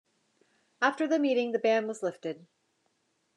After the meeting, the ban was lifted.